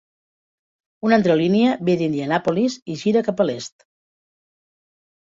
Una altra línia ve d'Indianapolis i gira cap a l'est.